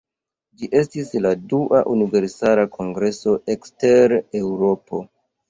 Ĝi estis la dua Universala Kongreso ekster Eŭropo.